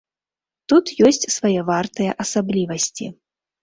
Тут ёсць свае вартыя асаблівасці.